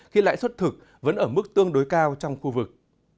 khi lãi suất thực vẫn ở mức tương đối cao trong khu vực